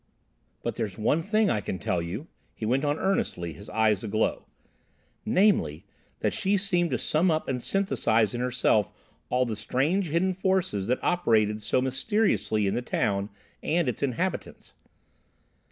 "But there's one thing I can tell you," he went on earnestly, his eyes aglow, "namely, that she seemed to sum up and synthesise in herself all the strange hidden forces that operated so mysteriously in the town and its inhabitants.